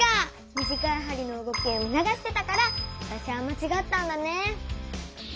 短いはりの動きを見のがしてたからわたしはまちがったんだね。